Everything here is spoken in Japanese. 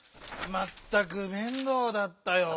まったく面倒だったよ。